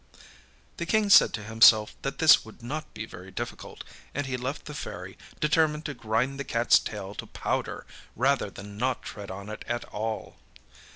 â The King said to himself that this would not be very difficult, and he left the Fairy, determined to grind the catâs tail to powder rather than not tread on it at all.